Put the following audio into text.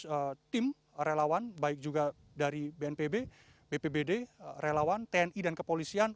dari tim relawan baik juga dari bnpb bpbd relawan tni dan kepolisian